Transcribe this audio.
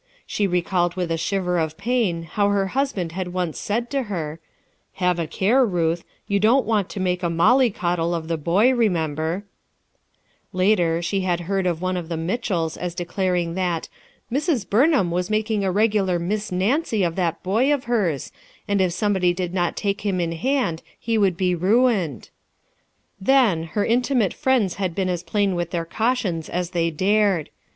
She recalled with a shiver of pain how her hus band had once said to her :— "Have a care, Kuth; you don't want to make a Molly Coddle of the boy, remember/' Later, she had heard of one of the Mitchells as declaring that "Mrs. Burnhara was making a regular 'Miss Nancy' of that boy of hers, and if somebody did not take him in hand, he would be ruined," Then, her intimate friends had been as plain with their cautions as they dared.